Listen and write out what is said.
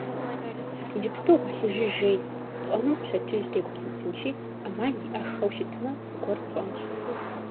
Иджыпсту гъуэлъыжи жей, тщӀэнум пщэдджыжь дегупсысынщи, Ӏэмал иӀэххэу щытмэ, зыгуэр тщӀэнщ.